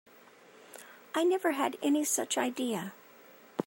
I never had any such idea.